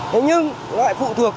thế nhưng nó lại phụ thuộc